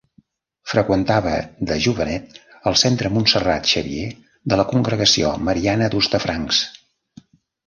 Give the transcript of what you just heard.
Freqüentava de jovenet el centre Montserrat-Xavier de la Congregació Mariana d'Hostafrancs.